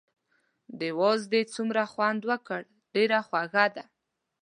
دې وازدې څومره خوند وکړ، ډېره خوږه ده.